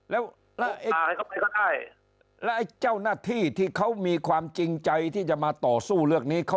แล้วไอ้เจ้าหน้าที่ที่เขามีความจริงใจที่จะมาต่อสู้เรื่องนี้เขา